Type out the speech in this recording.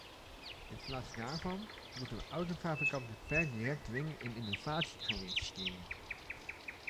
In plaats daarvan moeten we autofabrikanten per direct dwingen in innovatie te gaan investeren.